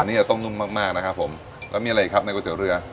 อันนี้จะต้องนุ่มมากนะครับผมแล้วมีอะไรอีกครับในก๋วยเตี๋ยวเรือ